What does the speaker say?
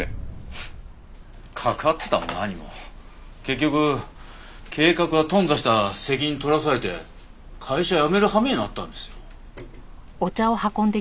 フッ関わっていたも何も結局計画が頓挫した責任取らされて会社辞めるはめになったんですよ。